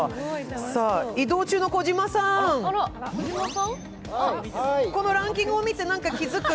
移動中の児嶋さん、このランキングを見て何か気づく？